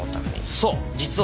そう実は。